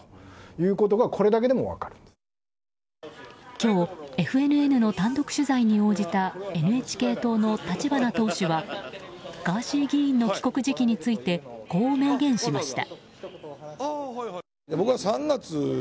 今日ＦＮＮの単独取材に応じたＮＨＫ党の立花党首はガーシー議員の帰国時期についてこう明言しました。